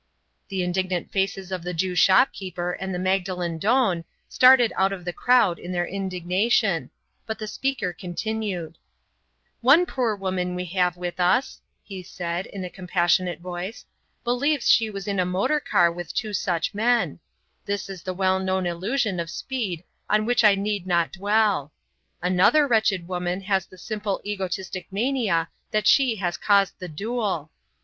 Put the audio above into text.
The indignant faces of the Jew shopkeeper and the Magdalen Don started out of the crowd in their indignation, but the speaker continued: "One poor woman we have with us," he said, in a compassionate voice, "believes she was in a motor car with two such men; this is the well known illusion of speed on which I need not dwell. Another wretched woman has the simple egotistic mania that she has caused the duel.